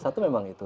satu memang itu